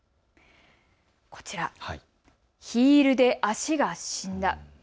こちら、ヒールで足が死んだ。